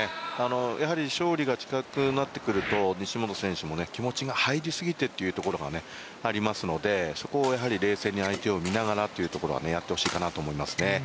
勝利が近くなってくると西本選手も気持ちが入りすぎてというところがありますのでそこを冷静に相手を見ながらというところでやってほしいですね。